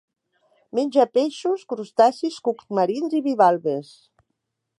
Menja peixos, crustacis, cucs marins i bivalves.